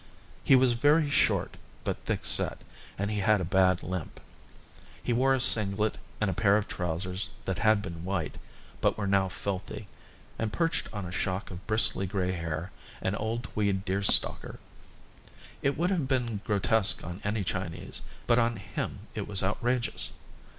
He was very short, but thick set, and he had a bad limp. He wore a singlet and a pair of trousers that had been white, but were now filthy, and, perched on a shock of bristly, grey hair, an old tweed deer stalker. It would have been grotesque on any Chinese, but on him it was outrageous.